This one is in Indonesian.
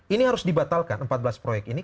ini harus dibatalkan empat belas proyek ini